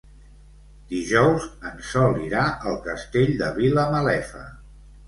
Dijous en Sol irà al Castell de Vilamalefa.